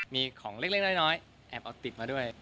มีของเล็กน้อยแอบเอาติดมาด้วย